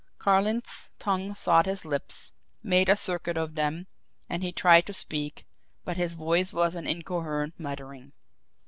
Carling's tongue sought his lips, made a circuit of them and he tried to speak, but his voice was an incoherent muttering.